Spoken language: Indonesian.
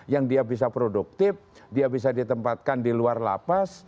yang dia bisa produktif dia bisa ditempatkan di luar lapas